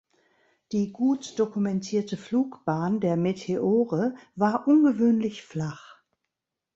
Die gut dokumentierte Flugbahn der Meteore war ungewöhnlich flach.